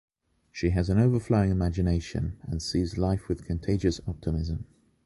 She has an overflowing imagination and sees life with contagious optimism.